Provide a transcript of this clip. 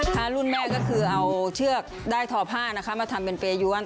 รุ่นแม่ก็คือเอาเชือกได้ทอผ้านะคะมาทำเป็นเปรย้วน